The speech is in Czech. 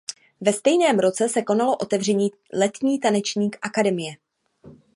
Ve stejném roce se konalo otevření letní taneční akademie.